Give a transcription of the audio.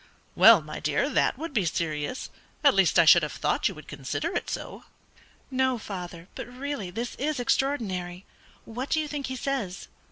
"Well, my dear, that would be serious; at least I should have thought you would consider it so." "No, father; but really this is extraordinary. What do you think he says?"